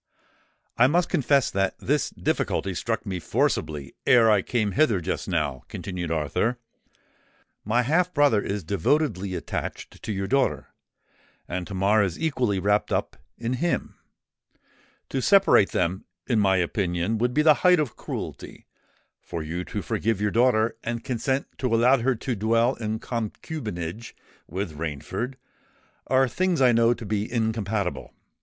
"I must confess that this difficulty struck me forcibly ere I came hither just now," continued Arthur. "My half brother is devotedly attached to your daughter; and Tamar is equally wrapped up in him. To separate them, in my opinion, would be the height of cruelty: for you to forgive your daughter and consent to allow her to dwell in concubinage with Rainford, are things I know to be incompatible.